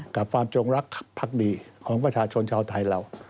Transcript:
กับความจงรักภักดีของประชาชนชาวไทยเรา